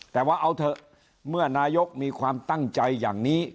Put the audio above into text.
แต่ว่าเอาเถอะเมื่อนายกมีความตั้งใจอย่างนี้